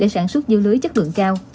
để sản xuất dư lưới chất lượng cao